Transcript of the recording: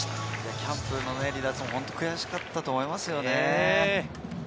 キャンプの離脱も悔しかったと思いますね。